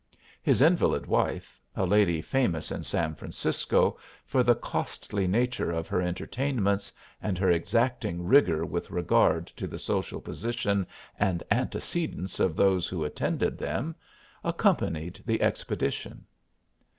His invalid wife, a lady famous in San Francisco for the costly nature of her entertainments and her exacting rigor with regard to the social position and "antecedents" of those who attended them, accompanied the expedition.